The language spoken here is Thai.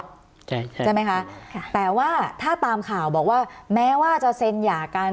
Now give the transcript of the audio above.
ใช่ไหมคะค่ะแต่ว่าถ้าตามข่าวบอกว่าแม้ว่าจะเซ็นหย่ากัน